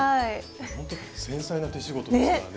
ほんと繊細な手仕事ですからね。ね！